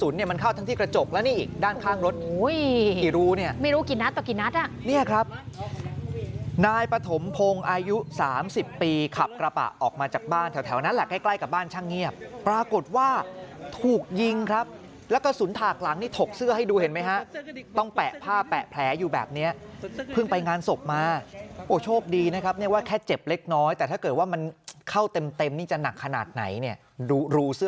นี่ครับนายปฐมพงศ์อายุ๓๐ปีขับกระปะออกมาจากบ้านแถวนั้นแค่ใกล้กับบ้านช่างเงียบปรากฏว่าถูกยิงครับแล้วก็สุนถากหลังที่ถกเสื้อให้ดูเห็นไหมครับต้องแปะผ้าแปะแผลอยู่แบบนี้เพิ่งไปงานศพมาโอ้โชคดีนะครับเนี่ยว่าแค่เจ็บเล็กน้อยแต่ถ้าเกิดว่ามันเข้าเต็มนี่จะหนักขนาดไหนเ